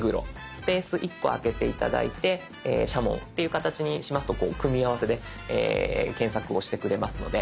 スペース１個空けて頂いて「社紋」っていう形にしますと組み合わせで検索をしてくれますので。